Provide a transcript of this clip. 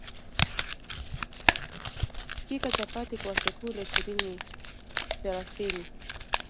Pika chapati kwa sekunde ishirini thelathini